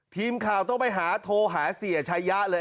ทีมข่าวต้องไปหาโทรหาเสียชายะเลย